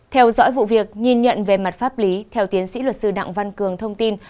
theo dõi vụ việc nhìn nhận về mặt pháp lý theo tiến sĩ luật sư đặng văn cường thông tin